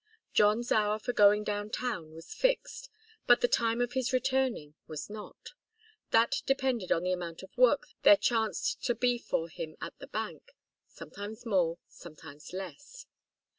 John's hour for going down town was fixed, but the time of his returning was not. That depended on the amount of work there chanced to be for him at the bank, sometimes more, sometimes less.